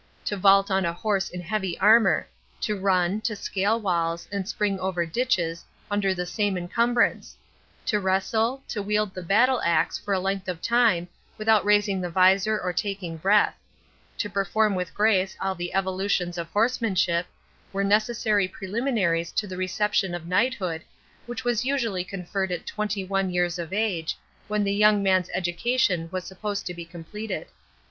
To vault on a horse in heavy armor; to run, to scale walls, and spring over ditches, under the same encumbrance; to wrestle, to wield the battle axe for a length of time, without raising the visor or taking breath; to perform with grace all the evolutions of horsemanship, were necessary preliminaries to the reception of knighthood, which was usually conferred at twenty one years of age, when the young man's education was supposed to be completed.